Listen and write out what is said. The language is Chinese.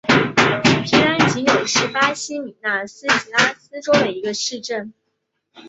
皮兰吉纽是巴西米纳斯吉拉斯州的一个市镇。